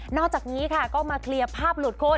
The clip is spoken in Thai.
อกจากนี้ค่ะก็มาเคลียร์ภาพหลุดคุณ